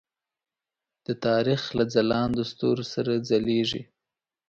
د تاریخ له ځلاندو ستورو سره ځلیږي.